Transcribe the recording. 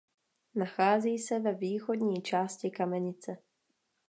Nachází se ve východní části Kamenice.